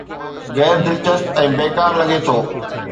غير دلچسپ ۽ بيڪار لڳي ٿو